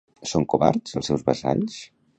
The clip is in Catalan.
Són covards els seus vassalls?